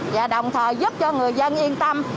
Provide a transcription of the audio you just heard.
và đồng thời giúp cho người dân yên tâm